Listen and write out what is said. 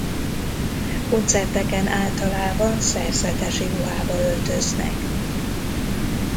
Koncerteken általában szerzetesi ruhába öltöznek.